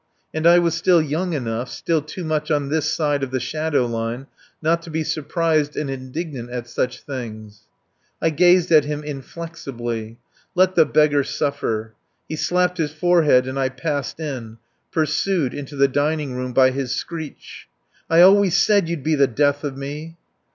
And I was still young enough, still too much on this side of the shadow line, not to be surprised and indignant at such things. I gazed at him inflexibly. Let the beggar suffer. He slapped his forehead and I passed in, pursued, into the dining room, by his screech: "I always said you'd be the death of me."